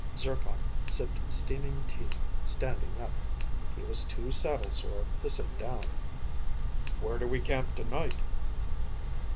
Zircon sipped steaming tea standing up. He was too saddle sore to sit down. "Where do we camp tonight?"